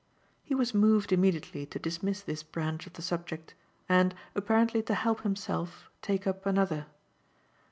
He was moved immediately to dismiss this branch of the subject and, apparently to help himself, take up another.